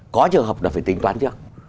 có trường hợp là phải tính toán trước